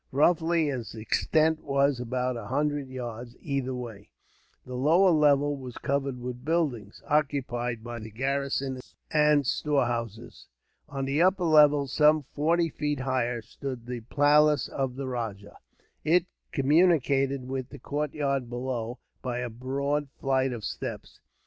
Roughly, its extent was about a hundred yards, either way. The lower level was covered with buildings, occupied by the garrison, and storehouses. On the upper level, some forty feet higher, stood the palace of the rajah. It communicated with the courtyard, below, by a broad flight of steps.